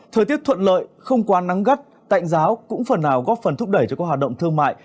thời tiết thuận lợi không quá nắng gắt tạnh giáo cũng phần nào góp phần thúc đẩy cho các hoạt động thương mại